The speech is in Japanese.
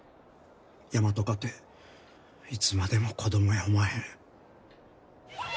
大和かていつまでも子供やおまへん。